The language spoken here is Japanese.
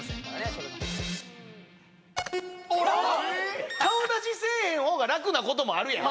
その人も顔出しせえへんほうが楽なこともあるやん